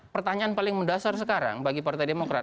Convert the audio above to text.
pertanyaan paling mendasar sekarang bagi partai demokrat